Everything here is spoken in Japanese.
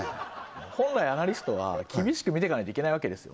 本来アナリストは厳しく見ていかないといけないわけですよ